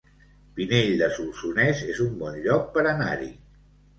Pinell de Solsonès es un bon lloc per anar-hi